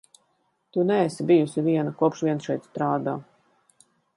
Tu neesi bijusi viena, kopš vien šeit strādā.